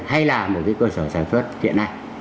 hay là một cái cơ sở sản xuất hiện nay